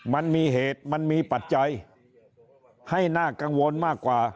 มันมีเหตุมันมีปัจจัยให้น่ากังวลมากกว่า